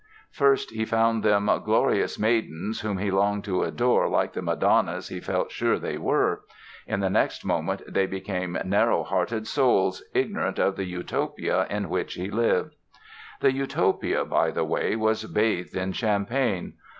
First he found them "glorious maidens", whom he longed to adore like the madonnas he felt sure they were. In the next moment they became "narrow hearted souls", ignorant of the Utopia in which he lived. This Utopia, by the way, was bathed in champagne.